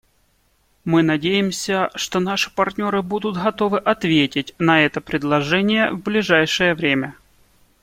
Мы надеемся, что наши партнеры будут готовы ответить на это предложение в ближайшее время.